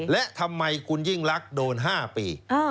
และทำไมคุณยิ่งรักโดน๕ปี